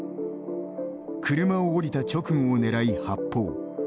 車を降りた直後を狙い発砲。